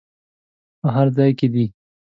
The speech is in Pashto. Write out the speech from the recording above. په هر ځای کې دې.